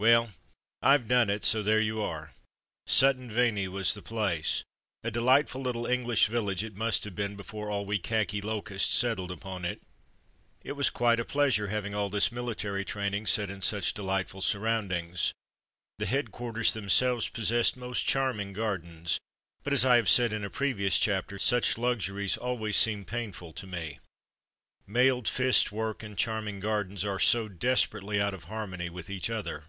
Well, IVe done it, so there you are. Sutton Veney was the place ; a delightful little Eng lish village it must have been before all we khaki locusts settled upon it. It was quite a pleasure having all this military training 59 6o From Mud to Mufti set in such delightful surroundings. The headquarters themselves possessed most charming gardens, but as I have said in a previous chapter, such luxuries always seem painful to me. Mailed fist work and charm ing gardens are so desperately out of har mony with each other.